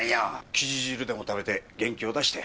キジ汁でも食べて元気を出して。